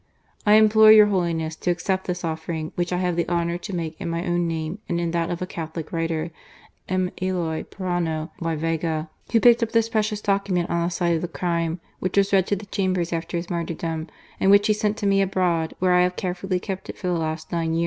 I implore your Holiness to accept this offering which I have the honour to make in my own name and in that of a Catholic writer, M. Eloy Proano y Vega, who picked up this precious docu ment on the site of the crime, which was read to the Chambers after his martyrdom, and which he sent to me abroad, where I have carefully kept it for the last nine years.''